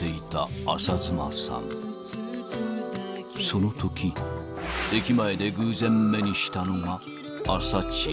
［そのとき駅前で偶然目にしたのが朝チア］